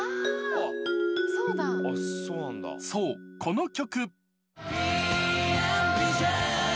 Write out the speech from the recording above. そう、この曲。